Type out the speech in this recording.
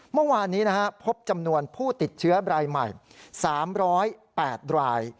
เมื่อวานนี้พบจำนวนผู้ติดเชื้อรายใหม่๓๐๘ราย